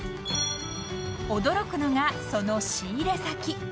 ［驚くのがその仕入れ先］